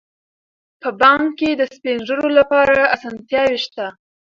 په بانک کې د سپین ږیرو لپاره اسانتیاوې شته.